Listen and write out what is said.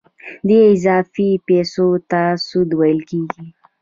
دې اضافي پیسو ته سود ویل کېږي